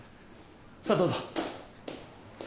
さあどうぞ。